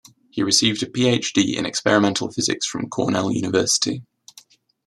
He received a Ph.D. in experimental physics from Cornell University.